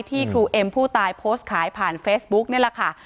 ครูเอ็มผู้ตายโพสต์ขายผ่านเฟซบุ๊กนี่แหละค่ะ